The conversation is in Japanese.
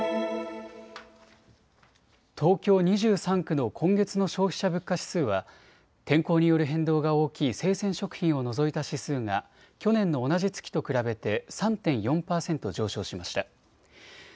東京２３区の今月の消費者物価指数は天候による変動が大きい生鮮食品を除いた指数が去年の同じ月と比べて３．４％上昇しました。